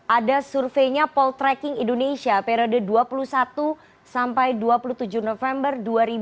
ada surveinya poltreking indonesia periode dua puluh satu sampai dua puluh tujuh november dua ribu dua puluh